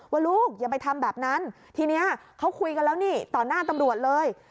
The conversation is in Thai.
ว่าลูกอย่าไปทำแบบนั้นทีนี้เขาคุยกันแล้วนี่ต่อหน้าตำรวจเลย